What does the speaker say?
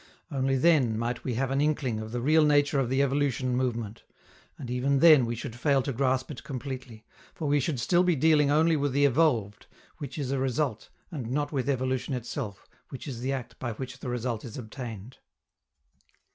Only then might we have an inkling of the real nature of the evolution movement; and even then we should fail to grasp it completely, for we should still be dealing only with the evolved, which is a result, and not with evolution itself, which is the act by which the result is obtained.